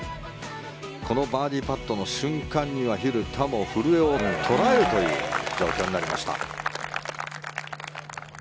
このバーディーパットの瞬間には蛭田も古江を捉えるという状況になりました。